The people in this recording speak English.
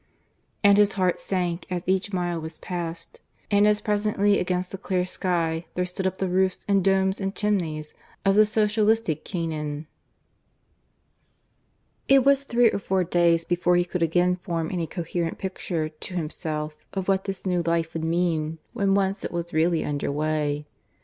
And his heart sank as each mile was passed, and as presently against the clear sky there stood up the roofs and domes and chimneys of the socialistic Canaan. (IV) It was three or four days before he could again form any coherent picture to himself of what this new life would mean when once it was really under way.